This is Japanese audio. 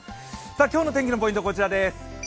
今日の天気のポイントはこちらです。